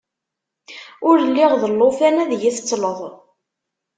Ur lliɣ d llufan ad iyi-tettleḍ!